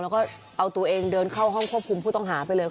แล้วก็เอาตัวเองเดินเข้าห้องควบคุมผู้ต้องหาไปเลย